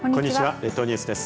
列島ニュースです。